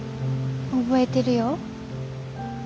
覚えてるよ。